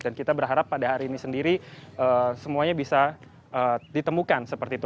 dan kita berharap pada hari ini sendiri semuanya bisa ditemukan seperti itu